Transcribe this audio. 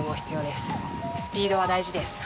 スピードは大事です